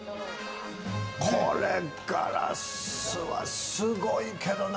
これガラスはすごいけどな。